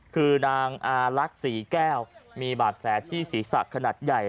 คือนางอารักษีแก้วมีบาดแผลที่ศีรษะขนาดใหญ่